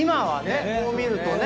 こう見るとね